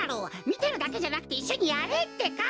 みてるだけじゃなくていっしょにやれってか！